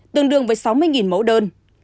tương đương với sáu mươi mẫu đơn